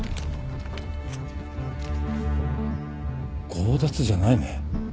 強奪じゃないね。